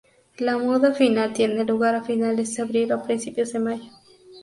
La muda final tiene lugar a finales de abril o principios de mayo.